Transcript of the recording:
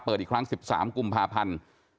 อีกครั้ง๑๓กุมภาพันธ์